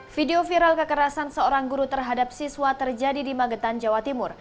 video viral kekerasan seorang guru terhadap siswa terjadi di magetan jawa timur